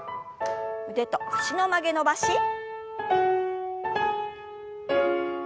腕と脚の曲げ伸ばし。